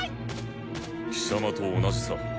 貴様と同じさ。